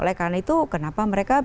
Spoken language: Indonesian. oleh karena itu kenapa mereka